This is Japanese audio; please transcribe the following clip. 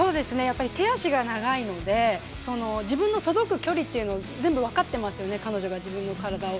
手足が長いので、自分の届く距離というのを全部わかってますね、彼女は自分の体を。